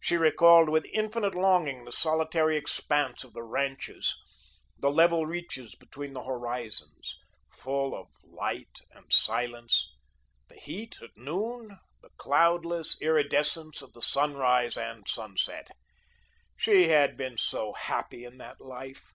She recalled with infinite longing the solitary expanse of the ranches, the level reaches between the horizons, full of light and silence; the heat at noon, the cloudless iridescence of the sunrise and sunset. She had been so happy in that life!